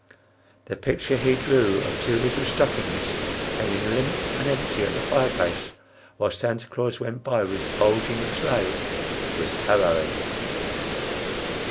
The picture he drew of two little stockings hanging limp and empty at the fireplace while Santa Claus went by with bulging sleigh was harrowing.